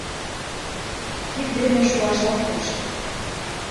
Кид дене шуаш ок тошт.